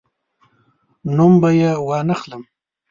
نوم به یې وانخلم.